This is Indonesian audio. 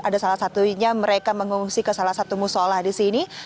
ada salah satunya mereka mengungsi ke salah satu musola di sini